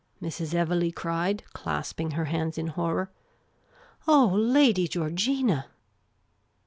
Mrs. Evelegh cried, clasping her hands in horror. " Oh, Lady Georgina